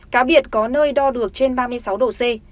cá biệt có nơi đo được trên ba mươi sáu độ c